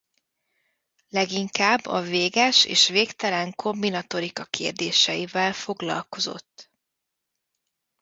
Leginkább a véges és végtelen kombinatorika kérdéseivel foglalkozott.